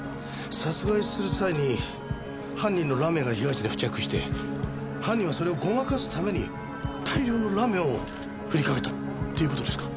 殺害する際に犯人のラメが被害者に付着して犯人はそれをごまかすために大量のラメをふりかけたっていう事ですか？